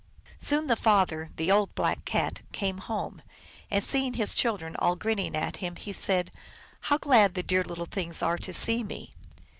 Soon the father, the old Black Cat, came home, and, seeing his children all grinning at him, he said, "How glad the dear little things are to see me."